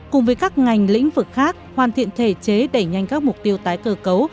cùng với các ngành lĩnh vực khác hoàn thiện thể chế đẩy nhanh các mục tiêu tái cơ cấu